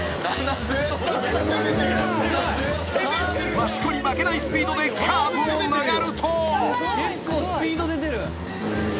［益子に負けないスピードでカーブを曲がると］